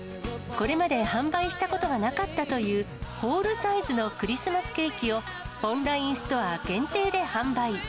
これまで販売したことがなかったというホールサイズのクリスマスケーキを、オンラインストア限定で販売。